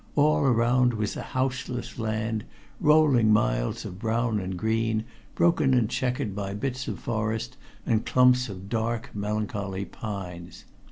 All around was a houseless land, rolling miles of brown and green, broken and checkered by bits of forest and clumps of dark melancholy pines.